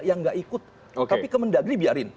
yang nggak ikut tapi ke mendagri biarin